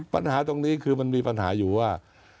ปัญหาตรงนี้คือมันมีปัญหาอยู่ว่า